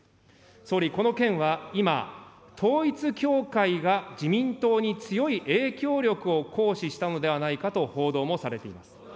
総理、この件は今、統一教会が自民党に強い影響力を行使したのではないかと報道もされています。